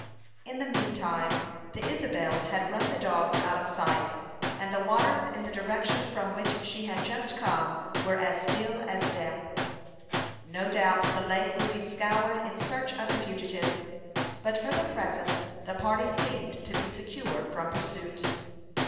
In the mean time, the Isabel had run the dogs out of sight, and the waters in the direction from which she had just come were as still as death. No doubt the lake would be scoured in search of the fugitive; but for the present the party seemed to be secure from pursuit.